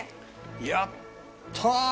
やったー！